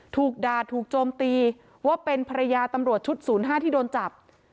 ถูกด่าถูกโจมตีว่าเป็นภรรยาตำรวจชุด๐๕ที่โดนจับ